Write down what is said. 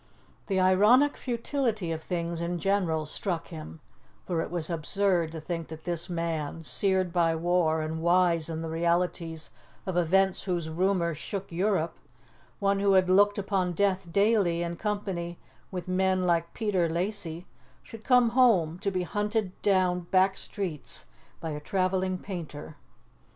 The ironic futility of things in general struck him, for it was absurd to think that this man, seared by war and wise in the realities of events whose rumours shook Europe, one who had looked upon death daily in company with men like Peter Lacy, should come home to be hunted down back streets by a travelling painter.